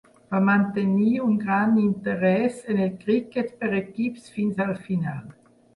Va mantenir un gran interès en el criquet per equips fins al final.